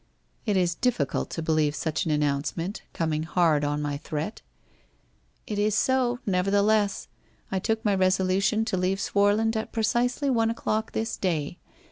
' 1 It is difficult to believe such an announcement, coming hard on my threat.' ' It is so, nevertheless ! I took my resolution to leave Swarland at precisely one o'clock this day.